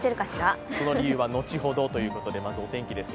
その理由は後ほどということで、まずはお天気です。